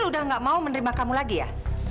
sudah nggak mau menerima kamu lagi ya